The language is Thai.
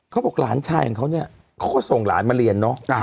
เขาบอกหลานชายของเขาเนี่ย